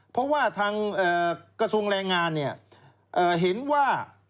เพราะกระทรวงแรงงานมีที่เห็นว่า